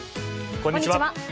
こんにちは。